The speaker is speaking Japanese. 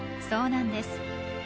そうなんです。